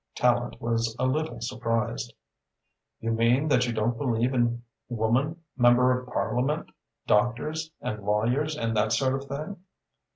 Tallente was a little surprised. "You mean that you don't believe in woman Member of Parliament, doctors and lawyers, and that sort of thing?"